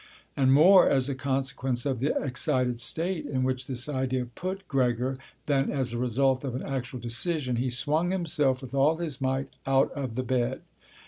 And more as a consequence of the excited state in which this idea put Gregor than as a result of an actual decision, he swung himself with all his might out of the bed.